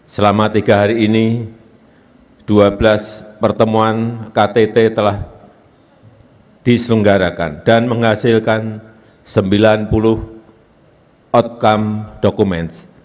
selama tiga hari ini dua belas pertemuan ktt telah diselenggarakan dan menghasilkan sembilan puluh outcome documents